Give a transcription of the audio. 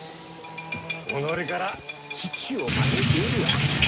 己から危機を招いておるわ。